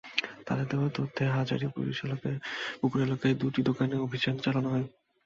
তাঁদের দেওয়া তথ্যে হাজীর পুকুর এলাকায় দুটি দোকানে অভিযান চালানো হয়।